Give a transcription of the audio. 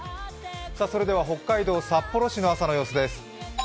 それでは北海道札幌市の朝の様子です。